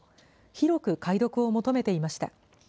広く解読を求めていました。